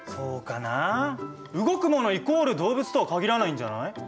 イコール動物とは限らないんじゃない？